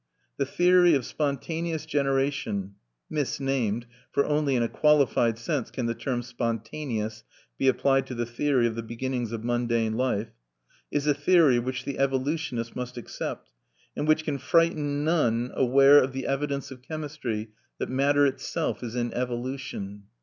The theory of spontaneous generation (misnamed, for only in a qualified sense can the term "spontaneous" be applied to the theory of the beginnings of mundane life) is a theory which the evolutionist must accept, and which can frighten none aware of the evidence of chemistry that matter itself is in evolution.